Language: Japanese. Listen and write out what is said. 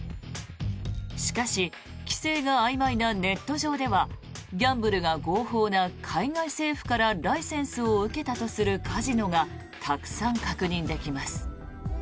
しかし、規制があいまいなネット上ではギャンブルが合法な海外政府からライセンスを受けたとするカジノがたくさん確認できます。